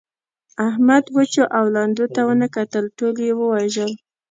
احمد وچو او لندو ته و نه کتل؛ ټول يې ووژل.